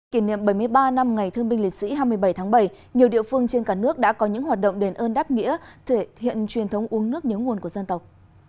kỷ niệm bảy mươi ba năm ngày thương binh liệt sĩ hai mươi bảy tháng bảy nhiều địa phương trên cả nước đã có những hoạt động đền ơn đáp nghĩa thể hiện truyền thống uống nước nhớ nguồn của dân tộc